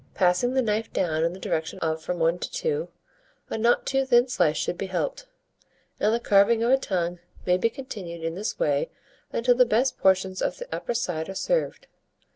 Passing the knife down in the direction of from 1 to 2, a not too thin slice should be helped; and the carving of a tongue may be continued in this way until the best portions of the upper side are served.